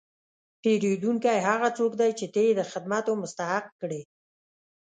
پیرودونکی هغه څوک دی چې ته یې د خدمتو مستحق کړې.